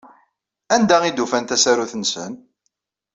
Anda ay d-ufan tasarut-nsen?